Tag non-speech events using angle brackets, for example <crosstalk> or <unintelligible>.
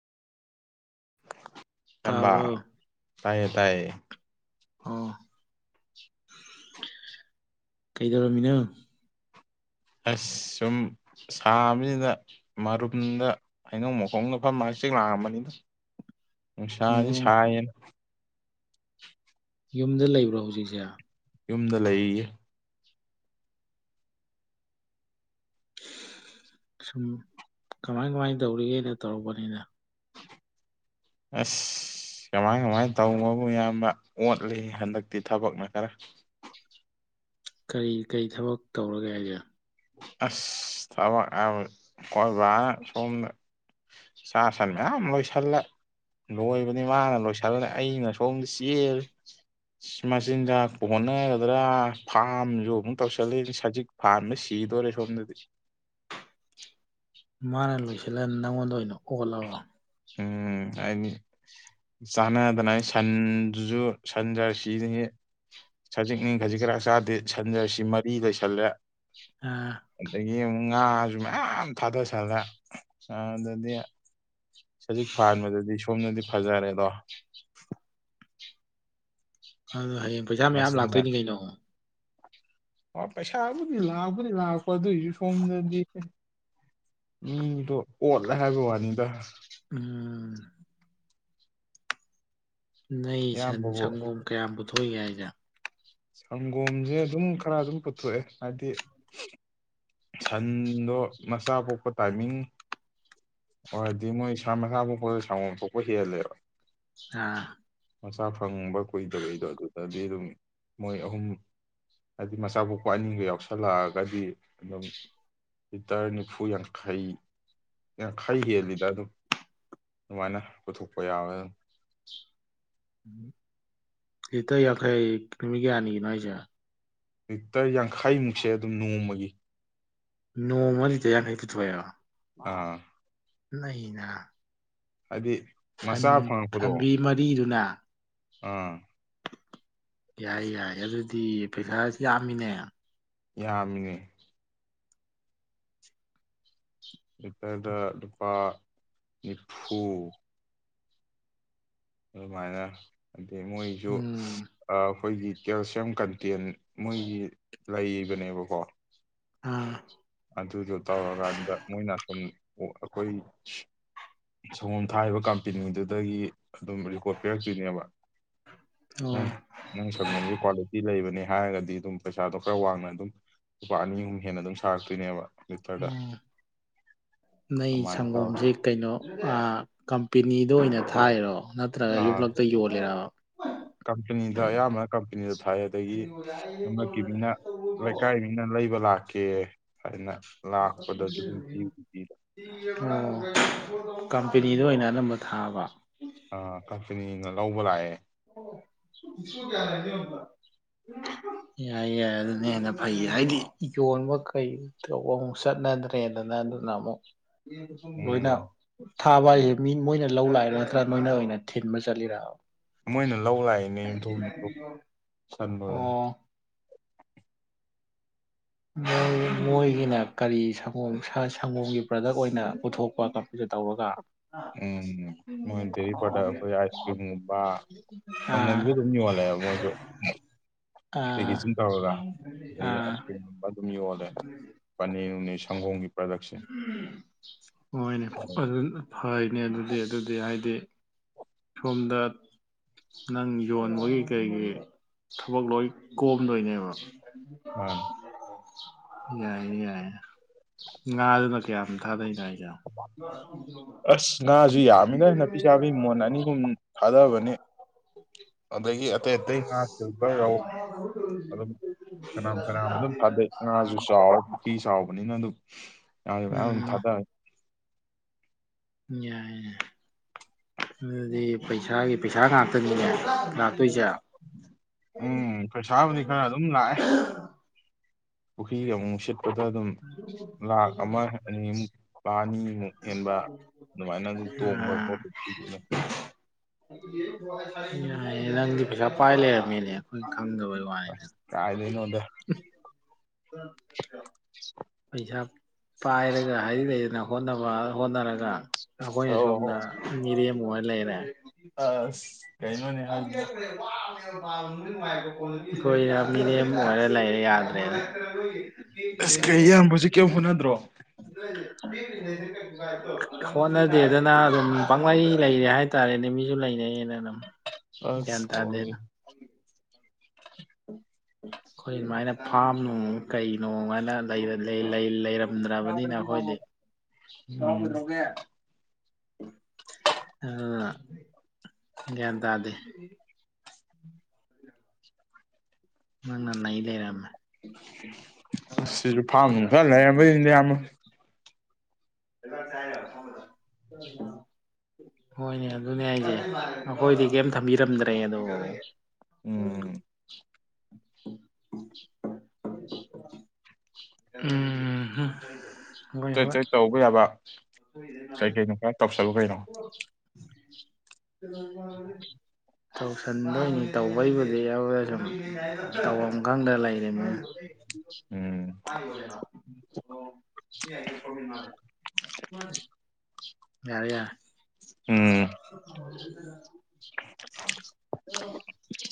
ꯆꯝꯕ ꯇꯥꯕ꯭ꯔꯣ ꯇꯌꯦ ꯇꯌꯦ ꯑ ꯀꯩꯗꯔꯃꯤꯅ ꯑꯁ ꯁꯨꯝ ꯁꯥꯕꯅꯤꯗ ꯃꯔꯨꯝꯗ ꯍꯩꯅꯧ ꯃꯈꯣꯡꯒꯐꯝꯝ ꯃꯥ ꯆꯦꯛ ꯂꯥꯡꯑꯝꯕꯅꯤꯅ ꯅꯨꯡꯁꯥꯗꯤ ꯑꯣ ꯁꯥꯏꯌꯦꯅ ꯌꯨꯝꯗ ꯂꯩꯕ꯭ꯔꯣ ꯍꯧꯖꯤꯛꯁꯦ ꯌꯨꯝꯗ ꯂꯩꯌꯦ ꯁꯨꯝ ꯀꯃꯥꯏ ꯀꯃꯥꯏꯅ ꯇꯧꯔꯤꯒꯦꯅ ꯇꯧꯔꯛꯄꯅꯤꯅ ꯑꯁ ꯀꯃꯥꯏ ꯀꯃꯥꯏꯅ ꯇꯧꯕꯕꯨ ꯏꯌꯥꯝꯕ ꯑꯣꯠꯂꯤ ꯍꯟꯗꯛꯇꯤ ꯊꯕꯛꯅ ꯈꯔ ꯀꯔꯤ ꯀꯔꯤ ꯊꯕꯛ ꯇꯧꯔꯒꯦ ꯍꯥꯏꯁꯦ ꯑꯁ ꯊꯕꯛ ꯑꯣꯏꯣꯏꯕ ꯁꯣꯝꯗ ꯁꯥ ꯁꯟ ꯃꯌꯥꯝ ꯂꯣꯏꯁꯤꯜꯂ ꯂꯣꯏꯕꯅꯤ ꯃꯥꯅ ꯂꯣꯏꯁꯤꯜꯂꯦ ꯑꯩꯅ ꯁꯣꯝꯗ ꯆꯦꯜꯜꯂꯤ ꯃꯆꯤꯟꯖꯥꯛ ꯍꯣꯠꯅꯒꯗ꯭ꯔꯥ ꯐꯥꯝꯁꯨ ꯑꯃꯨꯛ ꯇꯧꯁꯜꯂꯤ ꯁꯖꯤꯛ ꯐꯥꯝꯗ ꯆꯤꯗꯔꯦ ꯁꯝꯗꯗꯤ ꯃꯥꯅ ꯂꯣꯏꯁꯤꯜꯂ ꯅꯪꯉꯣꯟꯗ ꯑꯣꯏꯅꯧ ꯀꯣꯜꯂꯕ ꯎꯝ ꯍꯥꯏꯗꯤ ꯆꯥꯟꯅꯗꯅ ꯁꯟꯗꯨꯁꯨ ꯁꯟꯖꯔꯁꯤ ꯁꯖꯤꯛꯅꯤ ꯈꯖꯤꯛ ꯈꯔ ꯆꯥꯗꯦ ꯁꯟ ꯖꯥꯔꯁꯤ ꯃꯔꯤ ꯂꯩꯁꯜꯂꯦ ꯑꯥ ꯑꯗꯒꯤ ꯑ ꯉꯥꯁꯨ ꯃꯌꯥꯝ ꯊꯥꯗꯁꯜꯂꯦ ꯑꯗꯗꯤ ꯁꯖꯤꯛ ꯐꯥꯟꯕꯗꯗꯤ ꯁꯣꯝꯗꯗꯤ ꯐꯖꯔꯦꯗꯣ꯫ <unintelligible> ꯍꯌꯦꯡ ꯄꯩꯁꯥ ꯃꯌꯥꯝ ꯃꯁꯤꯡꯅ ꯂꯥꯛꯇꯣꯏꯅꯤ ꯀꯩꯅꯣ꯫ ꯄꯩꯁꯥꯕꯨꯗꯤ ꯂꯥꯛꯄꯗꯤ ꯂꯥꯛꯄ ꯑꯗꯨꯑꯣꯏꯁꯨ ꯁꯣꯝꯗꯗꯤ ꯃꯤꯗꯣ ꯑꯣꯠꯂꯦ ꯍꯥꯏꯕ ꯋꯥꯅꯤꯗ꯫ ꯎꯝ꯫ ꯅꯩ ꯁꯟ ꯏꯌꯥꯝꯕꯕꯨ ꯁꯪꯒꯣꯝ ꯀꯌꯥꯝ <unintelligible> ꯁꯪꯒꯣꯝꯁꯦ ꯑꯗꯨꯝ ꯈꯔ ꯑꯗꯨꯝ ꯄꯨꯊꯣꯛꯑꯦ ꯍꯥꯏꯗꯤ ꯁꯟꯗꯣ ꯃꯆꯥ ꯄꯣꯛꯄ ꯇꯥꯏꯃꯤꯡ ꯑꯣꯏꯔꯗꯤ ꯃꯣꯏ ꯁꯥ ꯃꯁꯥ ꯄꯣꯛꯄꯗ ꯁꯪꯒꯣꯝ ꯊꯣꯛꯄ ꯍꯦꯜꯂꯦꯕ ꯑꯥ ꯃꯆꯥ ꯐꯪꯕ ꯀꯨꯏꯗꯕꯩꯗꯣ ꯑꯗꯨꯗꯗꯤ ꯑꯗꯨꯝ ꯃꯣꯏ ꯑꯍꯨꯝ ꯍꯥꯏꯗꯤ ꯃꯆꯥ ꯀꯣꯛꯄ ꯑꯅꯤꯡꯒ ꯌꯥꯎꯁꯂꯛꯑꯒꯗꯤ ꯑꯗꯨꯝ ꯂꯤꯇꯔ ꯅꯤꯐꯨ ꯌꯥꯡꯈꯩ ꯌꯥꯡꯈꯩ ꯍꯦꯜꯂꯤꯗ ꯑꯗꯨꯝ ꯑꯗꯨꯃꯥꯏꯅ ꯄꯨꯊꯣꯛꯄ ꯌꯥꯎꯑꯦ ꯑꯗꯨꯝ ꯂꯤꯇꯔ ꯌꯥꯡꯈꯩ ꯅꯨꯃꯤ ꯀꯌꯥꯅꯤꯒꯤꯅꯣ ꯍꯥꯏꯖꯦ꯫ ꯂꯤꯇꯔ ꯌꯥꯡꯈꯥꯏꯃꯨꯛꯁꯦ ꯑꯗꯨꯝ ꯅꯣꯡꯃꯒꯤ ꯅꯣꯡꯃꯗ ꯂꯤꯇꯔ ꯌꯥꯡꯈꯩ ꯄꯨꯊꯣꯛꯑꯦꯕ ꯑꯥ ꯅꯩꯅ꯫ ꯍꯥꯏꯗꯤ ꯁꯟ ꯃꯆꯥ ꯐꯪꯉꯛꯄꯗꯣ ꯁꯟꯕꯤ ꯃꯔꯤꯗꯨꯅ ꯑꯥ ꯌꯥꯏ ꯌꯥꯏ ꯑꯗꯨꯗꯤ ꯄꯩꯁꯥꯁꯤ ꯌꯥꯝꯃꯤꯅꯦ ꯌꯥꯝꯃꯦ꯫ ꯂꯤꯇꯔꯗ ꯂꯨꯄꯥ ꯅꯤꯐꯨ ꯑꯗꯨ ꯃꯥꯏꯅ ꯑꯗꯩ ꯃꯣꯏꯖꯨ ꯎꯝ ꯑꯥ ꯑꯩꯈꯣꯏꯒꯤ ꯀꯦꯜꯁꯤꯌꯝ ꯀꯟꯇꯦꯟ ꯃꯣꯏꯒꯤ ꯂꯩꯕꯅꯦꯕꯀꯣ ꯑꯥ꯫ ꯑꯗꯨꯗꯣ ꯇꯧꯔꯀꯥꯟꯗ ꯃꯣꯏꯅ ꯁꯨꯝ ꯑꯩꯈꯣꯏ ꯁꯪꯒꯣꯝ ꯊꯥꯔꯤꯕ ꯀꯝꯄꯦꯅꯤꯗꯨꯗꯒꯤ ꯑꯗꯨꯝ ꯔꯤꯄꯣꯠ ꯄꯤꯔꯛꯇꯣꯏꯅꯦꯕ ꯑꯣ ꯅꯪ ꯅꯪ ꯁꯪꯒꯣꯝꯖꯤ ꯀ꯭ꯋꯥꯂꯤꯇꯤ ꯂꯩꯕꯅꯦ ꯍꯥꯏꯔꯒꯗꯤ ꯑꯗꯨꯝ ꯄꯩꯁꯥꯗꯣ ꯈꯔ ꯋꯥꯡꯅ ꯑꯗꯨꯝ ꯂꯨꯄꯥ ꯑꯅꯤ ꯑꯍꯨꯝ ꯍꯦꯟꯅ ꯑꯗꯨꯝ ꯇꯥꯔꯛꯇꯣꯏꯅꯦꯕ ꯎꯝ ꯅ ꯑꯗꯨꯃꯥꯏꯅ ꯇꯧꯔꯦ ꯁꯪꯒꯣꯝꯁꯦ ꯀꯩꯅꯣ ꯑ ꯄꯤꯅꯤꯗ ꯑꯣꯏꯅ ꯊꯥꯏꯔꯣ ꯅꯠꯇ꯭ꯔꯒ ꯑꯥ ꯌꯨꯝꯂꯛꯇ ꯌꯣꯜꯂꯤꯔꯕ ꯀꯝꯄꯅꯤꯗ ꯑꯌꯥꯝꯕꯅ ꯀꯝꯄꯅꯤꯗ ꯊꯥꯏ ꯑꯗꯒꯤ ꯂꯝꯂꯛꯀꯤ ꯃꯤꯅ ꯂꯩꯀꯥꯏ ꯃꯤꯅ ꯂꯩꯕ ꯂꯥꯛ ꯑꯣꯀꯦ ꯍꯥꯏꯅ ꯂꯥꯛꯄꯗꯁꯨ ꯑꯗꯨꯝ ꯄꯤꯕꯨꯗꯤ ꯄꯤꯗ <inaudible> ꯀꯝꯄꯦꯅꯤꯗ ꯑꯣꯏꯅ ꯑꯅꯝꯕ ꯊꯥꯕ ꯑ ꯀꯝꯄꯅꯤꯅ ꯂꯧꯕ ꯂꯥꯛꯑꯦ ꯌꯥꯏ ꯌꯥꯏ ꯑꯗꯨꯅ ꯍꯦꯟꯅ ꯐꯩ ꯍꯥꯏꯗꯤ ꯌꯣꯟꯕ ꯀꯩ ꯇꯧꯕ ꯑꯃꯨꯛ ꯆꯠꯅꯗ꯭ꯔꯦꯗꯅ ꯑꯗꯨꯅ ꯑꯃꯨꯛ ꯂꯣꯏꯅ ꯎꯝ ꯊꯥꯕ ꯍꯥꯏꯁꯦ ꯃꯤ ꯃꯣꯏꯅ ꯂꯧ ꯂꯥꯛꯏꯔꯥ ꯅꯠꯇ꯭ꯔꯥ ꯅꯣꯏꯅ ꯑꯣꯏꯅ ꯊꯤꯟꯕ ꯆꯠꯂꯤꯔꯕ ꯃꯣꯏꯅ ꯂꯧ ꯂꯥꯛꯏꯅꯦ ꯌꯨꯝꯊꯣꯡ ꯁꯟ ꯂꯣꯏꯔ ꯑꯣ ꯃꯣꯏꯒꯤꯅ ꯀꯔꯤ ꯁꯪꯒꯣꯝ ꯁꯪꯒꯣꯝꯒꯤ ꯄ꯭ꯔꯗꯛ ꯑꯣꯏꯅ ꯄꯨꯊꯣꯛꯄ ꯀꯝꯄꯅꯤ ꯇꯧꯔꯒ ꯎꯝ ꯃꯣꯏ ꯗꯦꯔꯤ ꯄ꯭ꯔꯗꯛ ꯑꯩꯈꯣꯏ ꯑꯥꯏꯁ ꯀ꯭ꯔꯤꯝꯒꯨꯝꯕ ꯑꯥ ꯁꯪꯒꯣꯝꯁꯨ ꯑꯗꯨꯝ ꯌꯣꯜꯂꯦꯕ ꯃꯣꯏꯖꯨ ꯑꯥ ꯑꯥ ꯑꯗꯨꯨꯝ ꯌꯣꯜꯂꯦ ꯄꯅꯤ ꯍꯣꯏꯅꯦ ꯑꯗꯨ ꯐꯩꯅꯦ ꯑꯗꯨꯗꯤ ꯑꯗꯨꯗꯤ ꯍꯥꯏꯗꯤ ꯁꯣꯝꯗ ꯅꯪ ꯌꯣꯟꯕꯒꯤ ꯀꯔꯤꯒꯤ ꯊꯕꯛ ꯂꯣꯏ ꯀꯣꯝꯗꯣꯏꯅꯦꯕ ꯃꯥꯅꯤ <inaudible> ꯌꯥꯏ ꯌꯥꯏ ꯉꯥ ꯑꯗꯨ ꯅ ꯀ ꯌꯥꯝ ꯊꯗꯩ ꯑꯁ ꯉꯥꯖꯨ ꯌꯥꯝꯃꯤꯅ ꯅꯥꯄꯤ ꯆꯥꯕꯤ ꯃꯣꯟ ꯑꯅꯤ ꯑꯍꯨꯝ ꯊꯥꯗꯕꯅꯦ ꯑꯗꯒꯤ ꯑꯇꯩ ꯑꯇꯩ ꯉꯥ ꯁꯤꯜꯕꯔ ꯔꯧ ꯑꯗꯨꯝ ꯐꯅꯝ ꯐꯅꯥꯝ ꯑꯗꯨꯝ ꯊꯥꯗꯩ ꯉꯥꯁꯨ ꯆꯥꯎꯔꯦ ꯄꯨꯈꯤ ꯆꯥꯎꯕꯅꯤꯅ ꯑꯗꯨꯝ ꯉꯥꯗꯤ ꯃꯌꯥꯝ ꯑꯃ ꯎꯝ ꯊꯥꯗ ꯌꯥꯏꯌꯦ ꯑꯗꯨꯗꯤ ꯄꯩꯁꯥꯒꯤ ꯄꯩꯁꯥ ꯉꯥꯛꯇꯅꯤꯅꯦ ꯂꯥꯛ ꯎꯝ ꯄꯩꯁꯥꯕꯨꯗꯤ ꯈꯔ ꯑꯗꯨꯝ ꯂꯥꯛꯑꯦ ꯄꯨꯈꯔ꯭ꯤꯒ ꯑꯃꯨꯛ ꯑꯃꯨꯛ ꯁꯤꯠ ꯑꯗꯨꯗ ꯑꯗꯨꯝ ꯂꯥꯛ ꯑꯃ ꯑꯅꯤꯃꯨꯛ ꯂꯥꯛ ꯑꯅꯤ ꯑꯃꯨꯛ ꯍꯦꯟꯕ ꯑꯗꯨꯃꯥꯏꯅ ꯑꯗꯨꯝ ꯇꯣꯡꯕ ꯎꯝ ꯌꯥꯏꯌꯦ ꯅꯪꯗꯤ ꯄꯩꯁꯥ ꯄꯥꯏ ꯂꯩꯔꯝꯃꯤꯅꯦ ꯑꯈꯣꯏ ꯑꯁ ꯀꯥꯏꯗ ꯏ ꯅꯣꯗ <inaudible> ꯄꯩꯁꯥ ꯄꯥꯏꯔꯒ ꯍꯥꯏ ꯂꯩꯅ ꯍꯣꯠꯅꯕ ꯍꯣꯠꯅꯔꯒ ꯑꯩꯈꯣꯏꯅ ꯁꯣꯝꯗ ꯑꯧ ꯃꯤꯔꯦꯝ ꯑꯣꯏꯔ ꯂꯩꯔꯦ ꯑꯁ ꯀꯩꯅꯣꯅꯦ ꯅ ꯀꯦꯦ ꯍꯥꯏꯁꯤꯕꯣ ꯋꯥ <unintelligible> <unintelligible> <unintelligible> <unintelligible> ꯑꯩꯈꯣꯏꯅ ꯃꯤꯔꯤꯝ ꯑꯣꯏꯔ ꯂꯩꯔꯦ ꯌꯥꯗ꯭ꯔꯦꯅ ꯑꯁ ꯀꯩ ꯏꯌꯥꯝꯕꯁꯨ ꯀꯩꯝ ꯍꯣꯠꯅꯗ꯭ꯔꯣ <unintelligible> ꯍꯣꯠꯅꯗꯦꯗꯅ ꯑꯗꯨꯝ ꯄꯥꯡꯂꯩ ꯂꯩꯔꯦ ꯍꯥꯏꯇꯥꯔꯦꯅꯦ ꯃꯤꯁꯨ ꯂꯩꯅꯩꯌꯦꯅ ꯑꯗꯨꯝ ꯒ꯭ꯌꯥꯟ ꯑꯁ ꯇꯥꯗꯦꯗ ꯑꯩꯈꯣꯏ ꯑꯗꯨꯃꯥꯏꯅ ꯐꯥꯝ ꯅꯨꯡ ꯀꯩꯅꫭ ꯍꯥꯏꯅ ꯂꯩ ꯑꯟꯏꯟꯇꯦꯂꯤꯖꯤꯕꯜ ꯑꯝ ꯑ ꯒꯌ꯭ꯥꯟ ꯇꯗꯦ ꯅꯪꯅ ꯅꯩ ꯂꯩꯔꯝꯃꯦ ꯁꯤꯁꯨ ꯐꯥꯝ ꯅꯨꯡ ꯈꯔ ꯂꯩꯔꯝꯝꯕꯩꯁꯤꯅꯦ ꯌꯥꯝ <unintelligible> ꯍꯣꯏꯅꯦ ꯑꯗꯨꯅꯦ ꯑ ꯑꯩꯁꯦ ꯑꯩꯈꯣꯏꯗꯤ ꯀꯩꯝ ꯊꯝꯕꯤꯔꯝꯗ꯭ꯔꯦ ꯑꯗꯣ ꯎꯝ ꯎꯝ ꯍꯣꯏ ꯆꯠ ꯍꯣꯏ ꯆꯦꯠ ꯇꯧꯕ ꯌꯥꯕ ꯀꯩ ꯀꯩꯅꯣ ꯈ ꯇꯧꯁꯜꯂꯨ ꯀꯩꯅꯣ ꯇꯧꯁꯤꯟꯗꯣꯏꯅꯤ ꯇꯧꯕꯩꯕꯨꯗꯤ ꯑꯗꯨ ꯁꯨꯝ ꯇꯧꯐꯝ ꯈꯪꯗ ꯂꯩꯔꯤꯅꯤ ꯎꯝ ꯑꯣ ꯑꯟꯏꯟꯇꯦꯂꯤꯖꯦꯕꯜ ꯃꯥ ꯌꯥꯔꯦ <inaudible> ꯑ ꯎꯝ ꯑ